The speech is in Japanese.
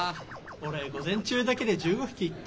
俺午前中だけで１５匹いった。